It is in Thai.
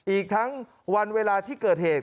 อีกทั้งวันเวลาที่เกิดเหตุ